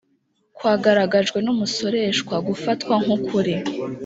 kwagaragajwe n umusoreshwa gufatwa nk ukuri